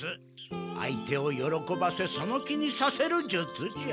相手をよろこばせその気にさせる術じゃ。